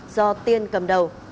do tiên cầm đầu